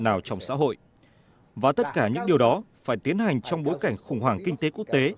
nào trong xã hội và tất cả những điều đó phải tiến hành trong bối cảnh khủng hoảng kinh tế quốc tế